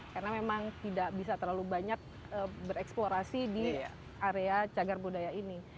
karena memang tidak bisa terlalu banyak bereksplorasi di area cagar budaya ini